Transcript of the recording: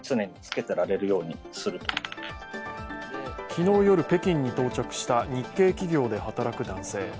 昨日夜、北京に到着した日系企業で働く男性。